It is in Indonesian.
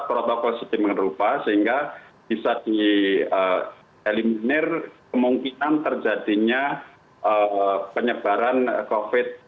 protokol sistem yang berupa sehingga bisa di eliminir kemungkinan terjadinya penyebaran covid sembilan belas